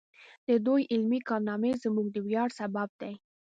د دوی علمي کارنامې زموږ د ویاړ سبب دی.